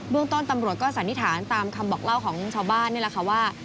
เรื่องต้นตำรวจก็สันนิษฐานตามคำบอกเล่าของชาวบ้านนี่แหละค่ะว่า